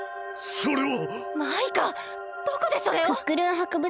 それは！